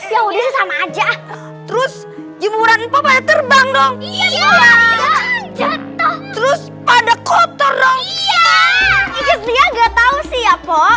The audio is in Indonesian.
ya udah sama aja terus jemuran terbang dong terus pada kotor